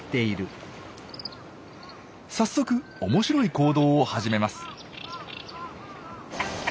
早速おもしろい行動を始めます。